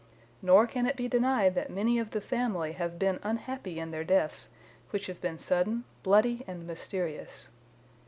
Nor can it be denied that many of the family have been unhappy in their deaths, which have been sudden, bloody, and mysterious.